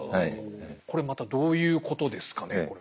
これまたどういうことですかね？